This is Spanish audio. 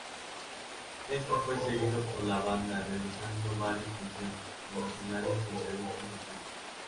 Esto fue seguido por la banda realizando varios conciertos promocionales y entrevistas de prensa.